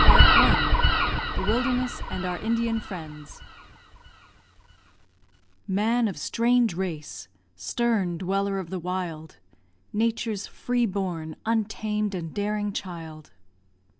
CHAPTER XV THE WILDERNESS, AND OUR INDIAN FRIENDS Man of strange race! stern dweller of the wild! Nature's free born, untamed, and daring child!